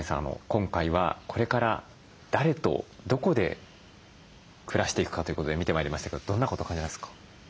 今回はこれから誰とどこで暮らしていくかということで見てまいりましたけどどんなことを感じますか？